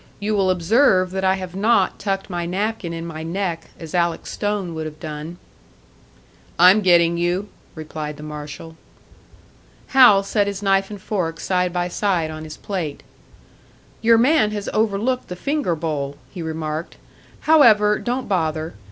You will observe that I have not tucked my napkin in my neck, as Alec Stone would have done." "I'm getting you," replied the marshal. Hal set his knife and fork side by side on his plate. "Your man has overlooked the finger bowl," he remarked. "However, don't bother.